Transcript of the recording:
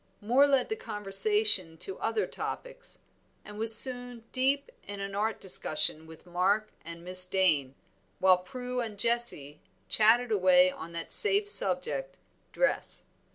Moor led the conversation to other topics, and was soon deep in an art discussion with Mark and Miss Dane, while Prue and Jessie chatted away on that safe subject, dress.